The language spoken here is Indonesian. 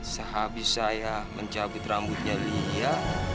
sehabis saya mencabut rambutnya lia